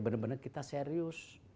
benar benar kita serius